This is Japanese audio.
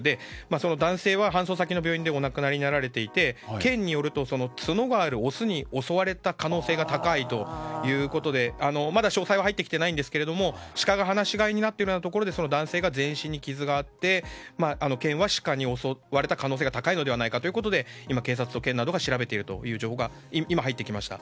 その男性は搬送先の病院でお亡くなりになられていて県によると角があるオスに襲われた可能性が高いということで、まだ詳細は入ってきていないんですがシカが放し飼いになっているようなところで男性が全身に傷があって県はシカに襲われた可能性が高いのではないかと今、警察と県などが調べている情報が入ってきました。